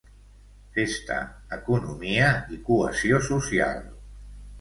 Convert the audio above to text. Festa, economia i cohesió social.